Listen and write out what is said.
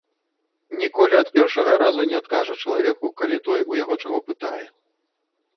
Ніколі ад першага разу не адкажа чалавеку, калі той у яе чаго пытае.